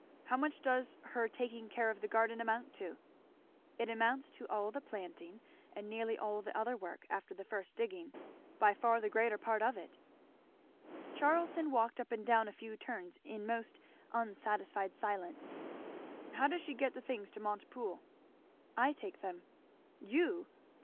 "How much does her 'taking care of the garden' amount to?" "It amounts to all the planting and nearly all the other work, after the first digging, by far the greater part of it." Charlton walked up and down a few turns in most unsatisfied silence. "How does she get the things to Montepoole?" "I take them." "You!